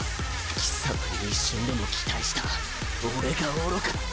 貴様に一瞬でも期待した俺が愚かだった！